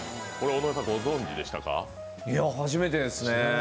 初めてですね。